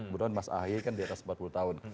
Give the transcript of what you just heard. menurut mas ahi kan di atas empat puluh tahun